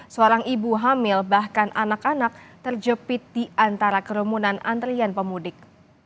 seorang ibu hamil bahkan anak anak terjepit di antara kerumunan antrian pemudik